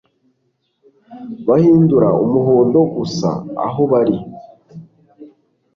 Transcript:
Bahindura umuhondo gusa aho bari